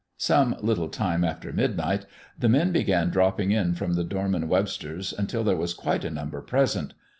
Some little time after midnight the men began dropping in from the Dorman Websters' until there was quite a number present.